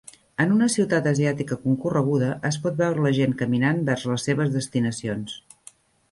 en una ciutat asiàtica concorreguda, es pot veure la gent caminant vers les seves destinacions.